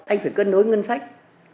anh phải cân đối ngân sách